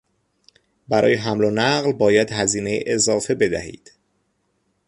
برای حمل و نقل باید هزینهی اضافه بدهید.